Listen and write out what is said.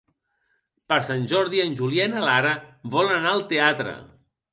Per Sant Jordi en Julià i na Lara volen anar al teatre.